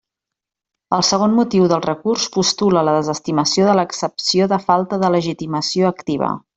El segon motiu del recurs postula la desestimació de l'excepció de falta de legitimació activa.